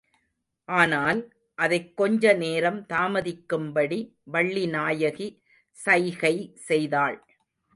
ஆனால், அதைக் கொஞ்ச நேரம் தாமதிக்கும்படி வள்ளிநாயகி சைகை செய்தாள்.